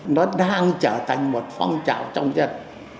nó đang trở thành một phong trào trong dân